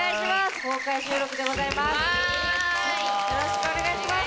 よろしくお願いします！